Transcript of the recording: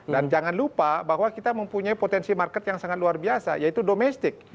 dan jangan lupa bahwa kita mempunyai potensi market yang sangat luar biasa yaitu domestik